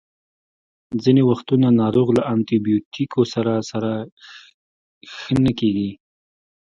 ځینې وختونه ناروغ له انټي بیوټیکو سره سره ښه نه کیږي.